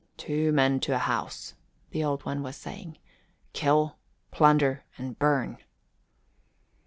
"Two men to a house," the Old One was saying. "Kill, plunder, and burn!"